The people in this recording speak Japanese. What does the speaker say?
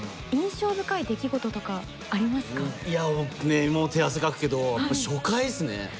いやもう手汗かくけど初回ですね。